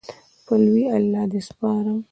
په لوی الله دې سپارم